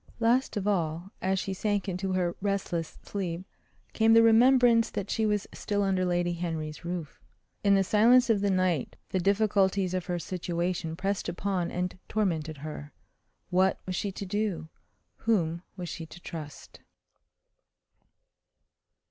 Last of all, as she sank into her restless sleep, came the remembrance that she was still under Lady Henry's roof. In the silence of the night the difficulties of her situation pressed upon and tormented her. What was she to do? Whom was she to trust?